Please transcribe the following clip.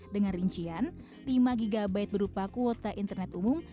dengan rincian lima gb berupa kuota internet umum